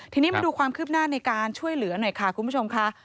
ทีนี้มาดูความคืบหน้าในการช่วยเหลือหน่อยค่ะคุณผู้ชมค่ะ